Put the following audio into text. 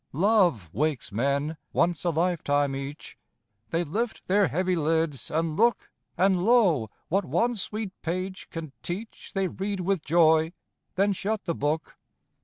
Love wakes men, once a lifetime each; They lift their heavy lids, and look; And, lo, what one sweet page can teach, They read with joy, then shut the book.